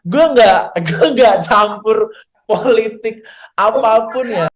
gue gak campur politik apapun ya